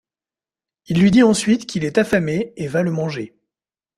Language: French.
Il lui dit ensuite qu'il est affamé et va le manger.